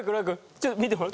ちょっと見てほら。